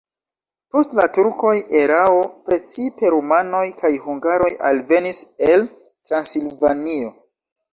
Post la turkoj erao precipe rumanoj kaj hungaroj alvenis el Transilvanio.